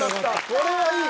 これはいい。